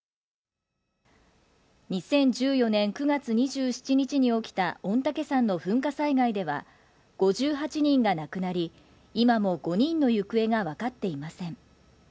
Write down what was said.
２０１４年９月２７日に起きた御嶽山の噴火災害では、５８人が亡くなり、今も５人の行方が分かっていません。